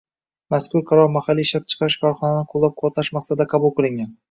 Mazkur qaror mahalliy ishlab chiqarish korxonalarini qo‘llab-quvvatlash maqsadida qabul qilingan